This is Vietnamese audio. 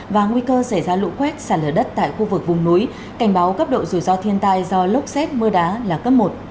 và nguy cơ xảy ra lũ quét sạt lở đất tại khu vực vùng núi cảnh báo cấp độ rủi ro thiên tai do lốc xét mưa đá là cấp một